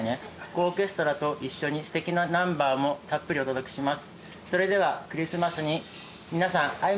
オーケストラと一緒に素敵なナンバーもたっぷりお届けします。